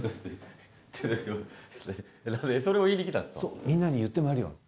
そうみんなに言って回りよるん。